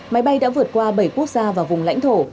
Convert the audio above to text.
máy bay đã vượt qua bảy quốc gia và vùng lãnh thổ